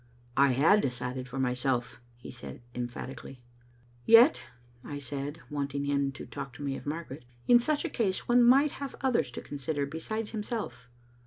"I had decided for myself," he said, emphatically. " Yet," I said, wanting him to talk to me of Margaret, " in such a case one might have others to consider be sides himself."